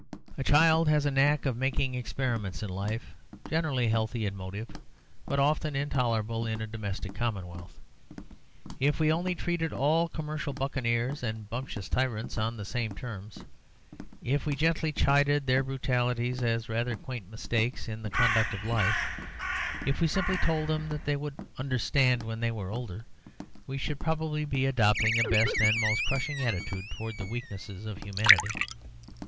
A child has a knack of making experiments in life, generally healthy in motive, but often intolerable in a domestic commonwealth. If we only treated all commercial buccaneers and bumptious tyrants on the same terms, if we gently chided their brutalities as rather quaint mistakes in the conduct of life, if we simply told them that they would 'understand when they were older,' we should probably be adopting the best and most crushing attitude towards the weaknesses of humanity.